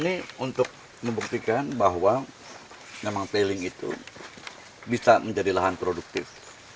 ini untuk membuktikan bahwa memang tailing itu bisa menjadi lahan produktif